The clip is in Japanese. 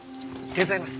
手伝います。